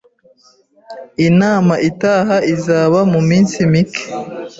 Inama itaha izaba muminsi mike.